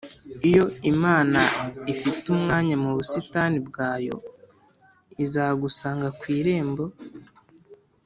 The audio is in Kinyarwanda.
iyo imana ifite umwanya mu busitani bwayo, izagusanga ku irembo ...